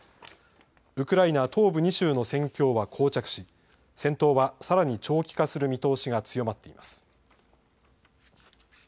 ウクライナ東部２州の戦況はこう着し、戦闘はさらに長期化する見通しが強まっています。